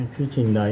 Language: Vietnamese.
quy trình đấy